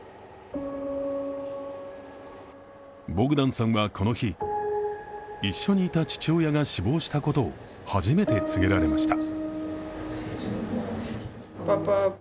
ボグダンさんはこの日、一緒にいた父親が死亡したことを初めて告げられました。